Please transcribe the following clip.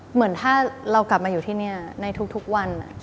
เหมือนถ้าเรากลับมาอยู่ที่นี่ในทุกวัน